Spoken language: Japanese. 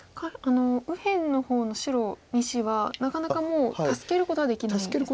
右辺の方の白２子はなかなかもう助けることはできないんですね。